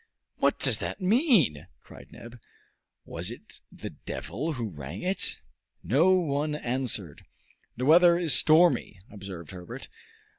"What does that mean?" cried Neb. "Was it the devil who rang it?" No one answered. "The weather is stormy," observed Herbert.